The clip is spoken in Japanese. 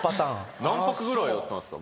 何泊ぐらいだったんですか？